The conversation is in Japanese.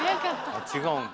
あっ違うんだ。